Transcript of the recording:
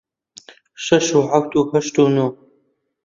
شەش و حەوت و هەشت و نۆ